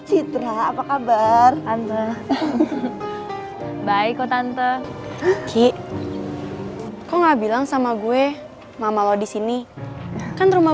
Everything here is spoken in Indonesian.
citra apa kabar tante baik kok tante ki kok nggak bilang sama gue mama lo di sini kan rumah